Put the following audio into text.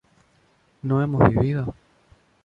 ¿no hemos vivido?